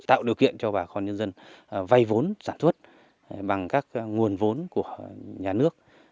tạo điều kiện cho bà con nhân dân vay vốn sản xuất bằng các nguồn vốn của nhà nước